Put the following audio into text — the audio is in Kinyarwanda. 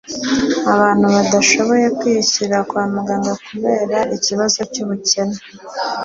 abantu badashoboye kwiyishurira kwa muganga kubera ikibazo cy'ubukene